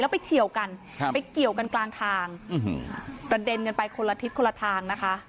ไปเฉียวกันไปเกี่ยวกันกลางทางกระเด็นกันไปคนละทิศคนละทางนะคะ